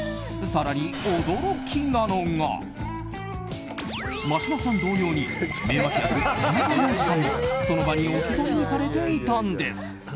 更に驚きなのが、眞島さん同様に名脇役、田中要次さんもその場に置き去りにされていたんです。